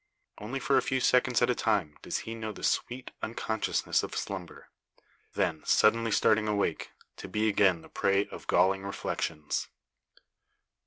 Only for a few seconds at a time does he know the sweet unconsciousness of slumber; then, suddenly starting awake, to be again the prey of galling reflections.